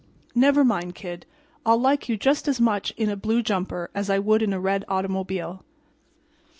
"Never mind, Kid. I'll like you just as much in a blue jumper as I would in a red automobile."